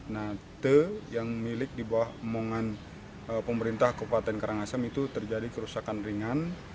nah t yang milik di bawah umum pemerintah kepala tengkarangasem itu terjadi kerusakan ringan